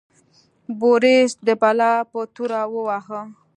بوریس د بلا په توره وواهه.